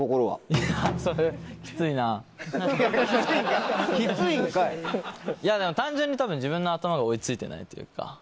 いや何か単純に多分自分の頭が追い付いてないというか。